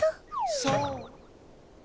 そう。